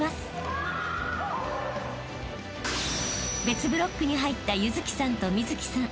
［別ブロックに入った優月さんと美月さん］